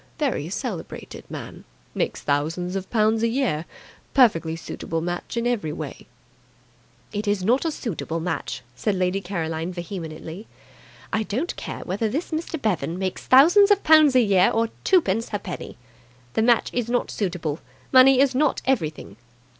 Very celebrated man! Makes thousands of pounds a year. Perfectly suitable match in every way." "It is not a suitable match," said Lady Caroline vehemently. "I don't care whether this Mr. Bevan makes thousands of pounds a year or twopence ha'penny. The match is not suitable. Money is not everything."